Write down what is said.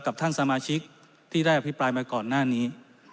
กับท่านสมาชิกที่ได้อภิปรายมาก่อนหน้านี้